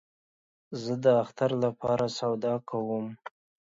زه د اختر له پاره سودا کوم